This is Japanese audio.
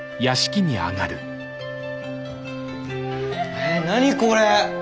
え何これ？